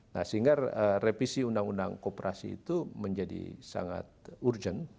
nah sehingga revisi undang undang kooperasi itu menjadi sangat urgent